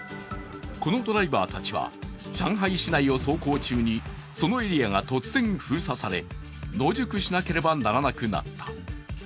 このドライバーたちは上海市内を走行中にそのエリアが突然封鎖され野宿しなければならなくなった。